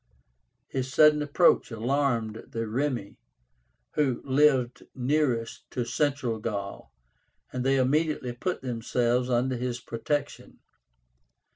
His sudden approach alarmed the Remi, who lived nearest to Central Gaul, and they immediately put themselves under his protection.